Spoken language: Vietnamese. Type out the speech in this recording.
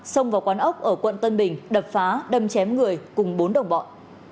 xông vào quán ốc ở quận tân bình đập phá đâm chém người cùng bốn đồng bọn